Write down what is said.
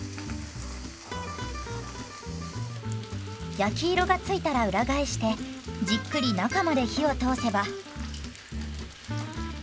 焼き色が付いたら裏返してじっくり中まで火を通せば。